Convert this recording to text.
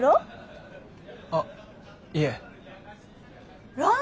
あっいえ。